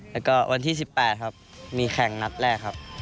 แล้วก็วันที่๑๘ครับมีแข่งนัดแรกครับ